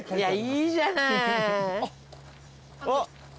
いいじゃない。